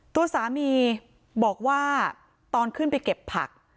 ตัวสามีบอกว่าตอนขึ้นไปเก็บผัก